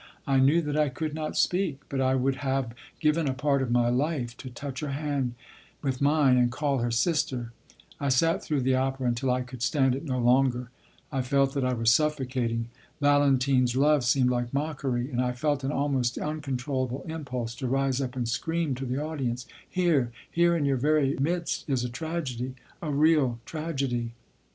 I knew that I could not speak, but I would have given a part of my life to touch her hand with mine and call her "sister." I sat through the opera until I could stand it no longer. I felt that I was suffocating. Valentine's love seemed like mockery, and I felt an almost uncontrollable impulse to rise up and scream to the audience: "Here, here in your very midst, is a tragedy, a real tragedy!"